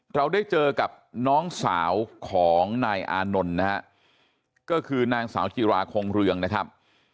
เราได้เจอกับน้องสาวของนายอานนท์นะฮะก็คือนางสาวจิราคงเรืองนะครับ